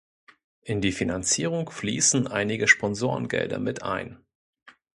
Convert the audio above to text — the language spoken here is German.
In die Finanzierung fließen einige Sponsorengelder mit ein.